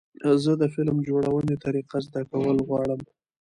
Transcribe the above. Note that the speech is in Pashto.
زه د فلم جوړونې طریقه زده کول غواړم.